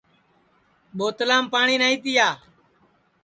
بوتلام پاٹؔی نائی تِیا